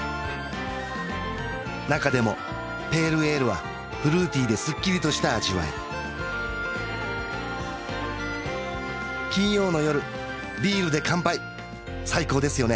中でもペールエールはフルーティーですっきりとした味わい金曜の夜ビールで乾杯最高ですよね